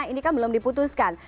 ini kan belum diputuskan